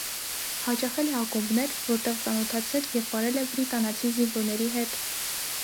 Հաճախել է ակումբներ, որտեղ ծանոթացել և պարել է բրիտանացի զինվորների հետ։